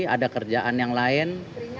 ada kerjaan yang lain